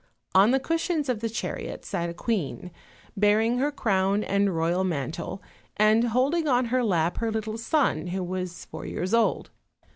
On the cushions of the chariot sat a queen, bearing her crown and royal mantle, and holding on her lap her little son, who was four years old.